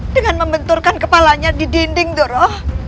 dengan membenturkan kepalanya di dinding doroh